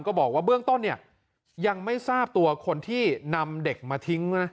บอกว่าเบื้องต้นเนี่ยยังไม่ทราบตัวคนที่นำเด็กมาทิ้งนะ